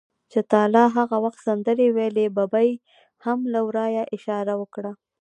چې تا لا هغه وخت سندرې ویلې، ببۍ هم له ورایه اشاره وکړه.